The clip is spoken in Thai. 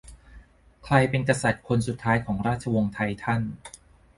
ใครเป็นกษัตริย์คนสุดท้ายของราชวงศ์ไททัน